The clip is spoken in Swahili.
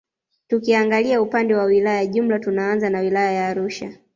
Tukiangalia upande wa wilaya jumla tunaanza na wilaya ya Arusha